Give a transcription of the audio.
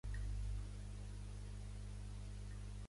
El treball el va emprendre Mansell, una divisió de Balfour Beatty.